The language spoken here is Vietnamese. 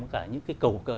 cả những cái cầu